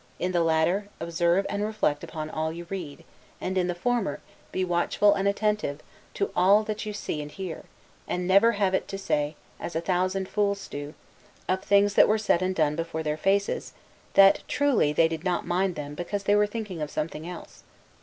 In the latter, observe and reflect upon all you read; and, in the former, be watchful and attentive to all that you see and hear; and never have it to say, as a thousand fools do, of things that were said and done before their faces, that, truly, they did not mind them, because they were thinking of something else.